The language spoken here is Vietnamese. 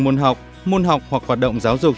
môn học môn học hoặc hoạt động giáo dục